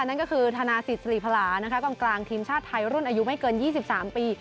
นั่นก็คือธนาศิษรีพลานะคะกองกลางทีมชาติไทยรุ่นอายุไม่เกิน๒๓ปี